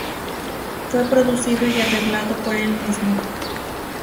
Fue producido y arreglado por el mismo.